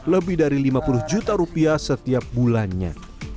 lebih dari rp lima puluh juta setiap bulannya